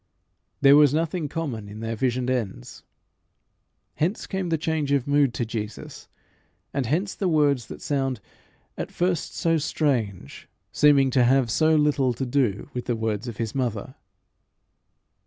There was nothing common in their visioned ends. Hence came the change of mood to Jesus, and hence the words that sound at first so strange, seeming to have so little to do with the words of his mother.